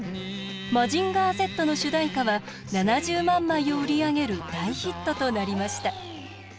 「マジンガーＺ」の主題歌は７０万枚を売り上げる大ヒットとなりました。